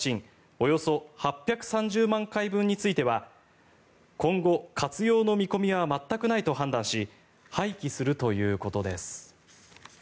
およそ８３０万回分については今後、活用の見込みは全くないと判断し廃棄するということです。